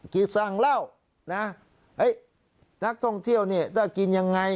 กิจสั่งเหล้านักท่องเที่ยวเนี่ยกินยังไง